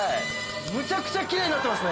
むちゃくちゃ奇麗になってますね。